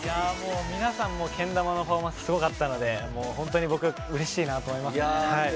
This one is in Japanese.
皆さんけん玉のパフォーマンスすごかったので本当に僕うれしいなと思いました。